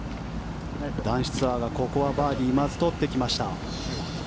男子ツアーがここはバーディーをまず取ってきました。